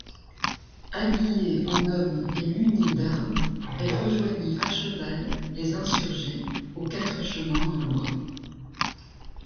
Habillée en homme et munie d’armes, elle rejoignit à cheval les insurgés aux Quatre-Chemins-de-l’Oie.